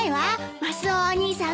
マスオお兄さん